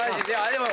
でも。